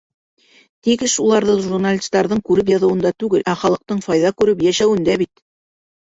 Тик эш уларҙы журналистарҙың күреп яҙыуында түгел, ә халыҡтың файҙа күреп йәшәүендә бит.